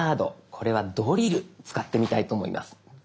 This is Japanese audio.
これは「ドリル」使ってみたいと思います。